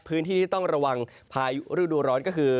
พื้นที่ที่ต้องระวังพายุฤดูร้อนก็คือ